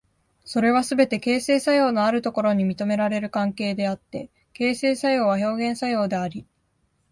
それはすべて形成作用のあるところに認められる関係であって、形成作用は表現作用であり、